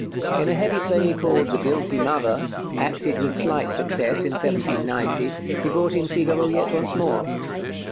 In a heavy play called 'The Guilty Mother,' acted with slight success in 1790, he brought in Figaro yet once more.